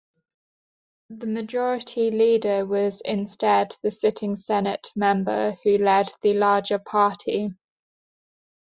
The Majority Leader was instead the sitting Senate member who led the larger party.